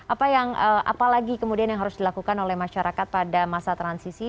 apa yang apalagi kemudian yang harus dilakukan oleh masyarakat pada masa transisi